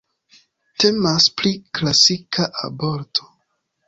Temas pri klasika aborto.